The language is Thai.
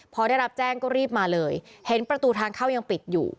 พอได้รับแจ้งก็รีบมาเลยเห็นประตูทางเข้ายังปิดอยู่